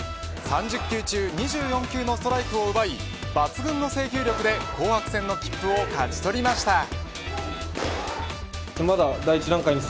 ３０球中２４球のストライクをうばい抜群の制球力で紅白戦の切符を勝ち取りました。